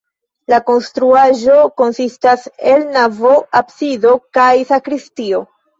La konstruaĵo konsistas el navo, absido kaj sakristio.